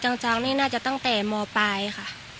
จองนี่น่าจะตั้งแต่มปลายค่ะ